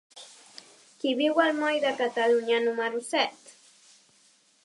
Qui viu al moll de Catalunya número set?